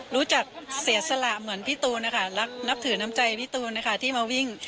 รู้จักเสียสละเหมือนพี่ตูนนะคะนับถือน้ำใจพี่ตูนนะคะที่มาวิ่ง